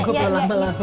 oh aku perlu lama lama